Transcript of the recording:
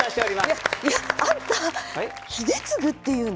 いやいやあんた英嗣っていうの？